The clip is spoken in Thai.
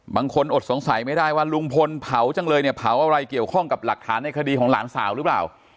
อดสงสัยไม่ได้ว่าลุงพลเผาจังเลยเนี่ยเผาอะไรเกี่ยวข้องกับหลักฐานในคดีของหลานสาวหรือเปล่า